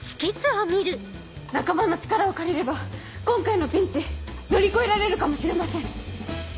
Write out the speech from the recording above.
仲間の力を借りれば今回のピンチ乗り越えられるかもしれません。